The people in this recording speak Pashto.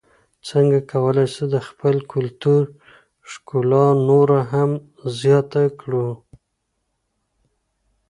څنګه کولای سو د خپل کلتور ښکلا نوره هم زیاته کړو؟